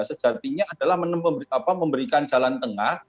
sejatinya adalah memberikan jalan tengah